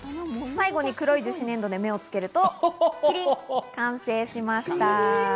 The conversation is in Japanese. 最後に黒い樹脂粘土で目をつけると、キリンが完成しました。